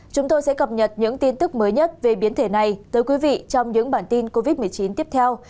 chúng tôi sẽ cập nhật những tin tức mới nhất về biến thể này tới quý vị trong những bản tin covid một mươi chín tiếp theo